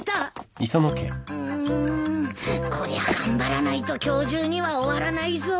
うん。こりゃ頑張らないと今日中には終わらないぞ。